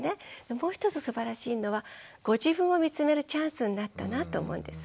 もう一つすばらしいのはご自分を見つめるチャンスになったなと思うんです。